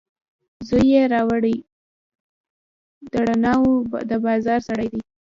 زوی یې راوړي، د رڼاوو دبازار سړی دی